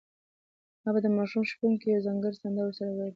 ما به د ماشوم شپونکي یوه ځانګړې سندره ورسره ویله.